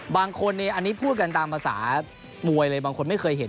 บางคนอันนี้พูดกันตามภาษามวยเลยบางคนไม่เคยเห็น